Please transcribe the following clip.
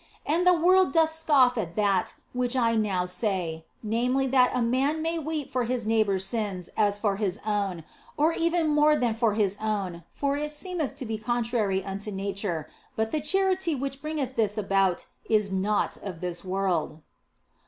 And the world doth scoff at that which I now say, namely that a man may weep for his neighbour s sins as for his own, or even more than for his own, for it seemeth to be contrary unto nature, but the charity which bringeth this about is not of this world.